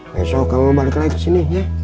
besok kamu balik lagi ke sini ya